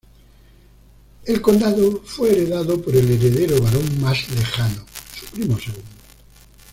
El condado fue heredado por el heredero varón más lejano, su primo segundo.